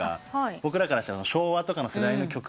僕らからしたら昭和とかの世代の曲